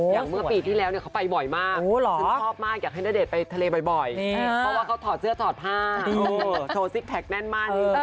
เมื่อปีที่แล้วเขาไปบ่อยมากฉันชอบมากอยากให้ณเดชน์ไปทะเลบ่อยเพราะว่าเขาถอดเสื้อถอดผ้าโชว์ซิกแพคแน่นมาก